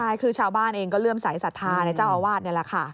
ใช่คือชาวบ้านเองก็เริ่มสายศรัทธาในเจ้าอาวาสนี่แหละค่ะ